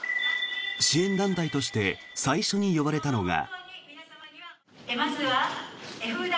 支援団体として最初に呼ばれたのが。